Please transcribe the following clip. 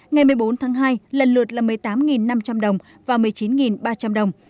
ngày một mươi bốn tháng hai lần lượt là một mươi tám năm trăm linh đồng và một mươi chín ba trăm linh đồng